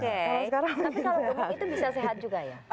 tapi kalau gemuk itu bisa sehat juga ya